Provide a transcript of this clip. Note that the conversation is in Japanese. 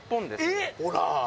ほら！